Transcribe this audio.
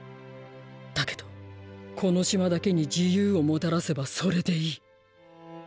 だけどこの島だけに自由をもたらせばそれでいい。